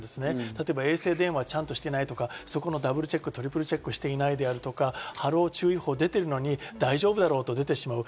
例えば衛星電話ちゃんとしてないとか、ダブルチェック、トリプルチェックしてないとか、波浪注意報が出てるのに大丈夫だろうと出てしまう。